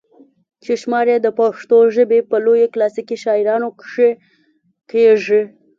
چې شمار ئې د پښتو ژبې پۀ لويو کلاسيکي شاعرانو کښې کيږي